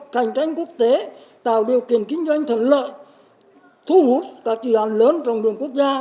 cạnh tranh quốc tế tạo điều kiện kinh doanh thuận lợi thu hút các dự án lớn trong đường quốc gia